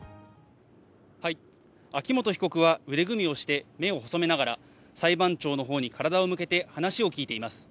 秋元被告は腕組みをして目を細めながら裁判長のほうに体を向けて話を聞いています。